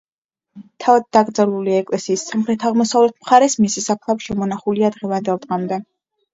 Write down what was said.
თავად დაკრძალულია ეკლესიის სამხრეთ-აღმოსავლეთ მხარეს, მისი საფლავი შემონახულია დღევანდელ დღემდე.